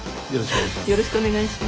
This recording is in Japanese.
よろしくお願いします。